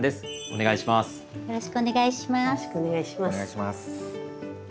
お願いします。